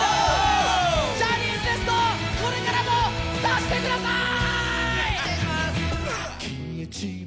ジャニーズＷＥＳＴ、これからも出してください！